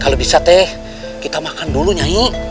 kalau bisa teh kita makan dulu nyanyi